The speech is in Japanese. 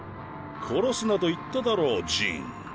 殺すなと言っただろうジン。